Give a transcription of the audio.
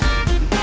ya itu dia